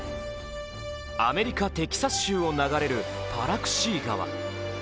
アメリカ・テキサス州を流れるパラクシー川。